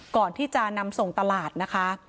ก่อนที่จะนำส่งตลาดนะคะ